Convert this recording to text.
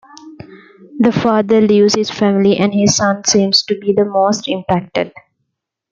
The father leaves his family and his son seems to be the most impacted.